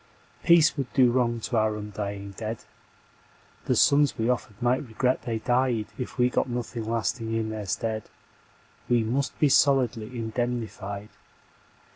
Peace would do wrong to our undying dead, The sons we offered might regret they died If we got nothing lasting in their stead. We must be solidly indemnified.